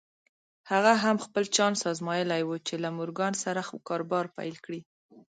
هغه هم خپل چانس ازمايلی و چې له مورګان سره کاروبار پيل کړي.